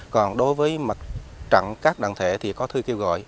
còn đối với mặt trận các đoàn thể thì có thư kêu gọi